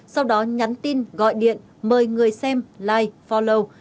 sau đó nhắn tin gọi điện mời người xem like follow